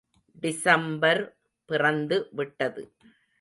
December பிறந்து விட்டது.